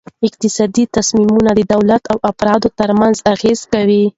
اقتصادي تصمیمونه د دولت او افرادو ترمنځ اغیز کوي.